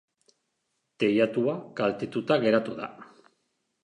Teilatua kaltetuta geratu da.